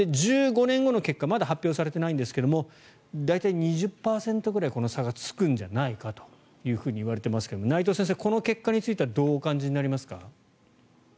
１５年後の結果まだ発表されてないんですが大体２０％ぐらいこの差がつくんじゃないかといわれていますけど内藤先生、この結果についてはどうお感じになりますか？